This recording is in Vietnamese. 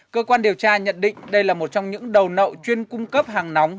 cơ quan điều tra nhận định đây là một trong những đầu nậu chuyên cung cấp hàng nóng